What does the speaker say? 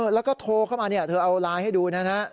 แล้วก็โทรเข้ามาเธอเอาไลน์ให้ดูนะฮะ